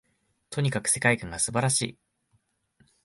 とにかく世界観が素晴らしい